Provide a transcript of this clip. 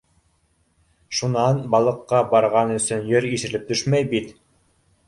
— Шунан балыҡҡа барған өсөн ер ишелеп төшмәй бит.